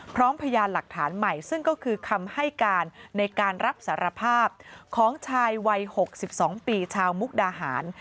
พร้อมพยานหลักฐานใหม่ซึ่งก็คือคำให้การในการรับสารภาพของชายวัย๖๒ปีชาวมุกดาหาร